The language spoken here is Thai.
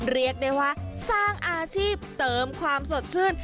เรียกได้ว่าสร้างอาชีพเติมความสดชื่น